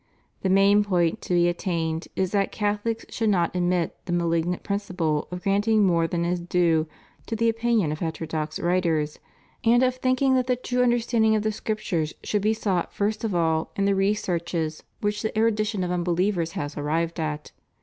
The main point to be attained is that Catholics should not admit the malignant principle of granting more than is due to the opinion of heterodox writers, and of thinking that the true understanding of the Scriptures should be sought first of all in the researches which the erudition 540 THE BIBLICAL COMMISSION. of unbelievers has arrived at.